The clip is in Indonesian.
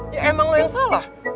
ya emang lo yang salah